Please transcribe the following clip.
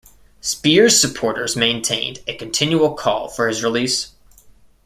Speer's supporters maintained a continual call for his release.